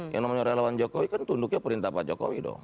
yang namanya relawan jokowi kan tunduknya perintah pak jokowi dong